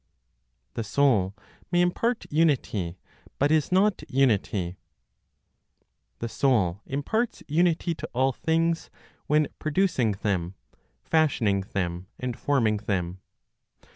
THE SOUL MAY IMPART UNITY, BUT IS NOT UNITY. The soul imparts unity to all things when producing them, fashioning them, and forming them.